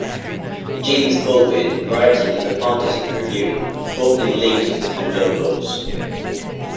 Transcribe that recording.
James Baldwin, writing in the "Partisan Review", boldly linked the two novels.